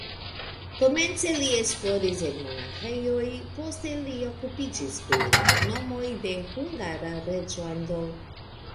Komence li esploris en monaĥejoj, poste li okupiĝis pri loknomoj de Hungara reĝlando.